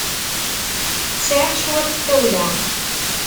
Sɛiɣ cwiṭ n tawla.